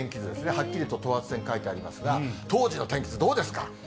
はっきりと等圧線書いてありますが、当時の天気図どうですか？